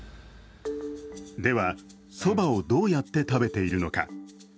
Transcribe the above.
では、そばをどうやって食べているのか。